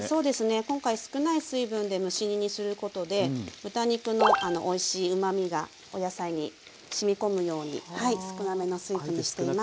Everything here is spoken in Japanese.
今回少ない水分で蒸し煮にすることで豚肉のおいしいうまみがお野菜にしみ込むように少なめの水分にしています。